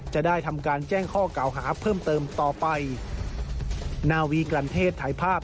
จะได้ทำการแจ้งข้อกล่าวหาเพิ่มเติมต่อไปนาวีกลันเทศถ่ายภาพ